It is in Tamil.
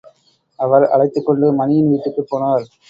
அவர் அழைத்துக் கொண்டு, மணியின் வீட்டுக்குப் போனார்.